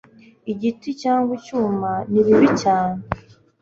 igiti cyangwa icyuma ni bibi cyane